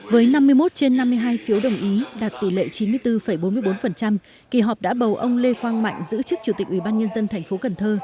với năm mươi một trên năm mươi hai phiếu đồng ý đạt tỷ lệ chín mươi bốn bốn mươi bốn kỳ họp đã bầu ông lê quang mạnh giữ chức chủ tịch ủy ban nhân dân thành phố cần thơ